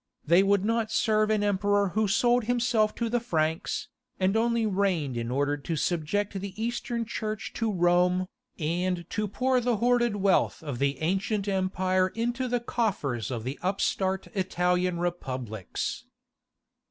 They would not serve an emperor who had sold himself to the Franks, and only reigned in order to subject the Eastern Church to Rome, and to pour the hoarded wealth of the ancient empire into the coffers of the upstart Italian republics.